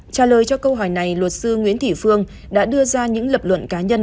trả lời cho câu hỏi này luật sư nguyễn thị phương đã đưa ra những lập luận cá nhân